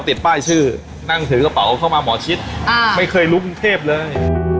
ติดป้ายชื่อนั่งถือกระเป๋าเข้ามาหมอชิดไม่เคยรู้กรุงเทพเลย